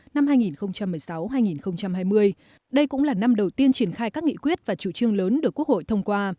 năm hai nghìn một mươi sáu hai nghìn hai mươi đây cũng là năm đầu tiên triển khai các nghị quyết và chủ trương lớn được quốc hội thông qua